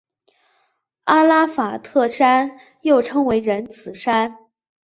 阿拉法特山又称为仁慈山。